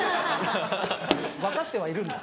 ・分かってはいるんだ・